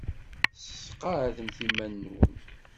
Sqeɛdem iman-nwen.